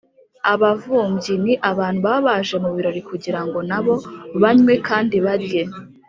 “abavumbyi”: ni abantu baba baje mu birori kugirango nabo banywe kandi barye.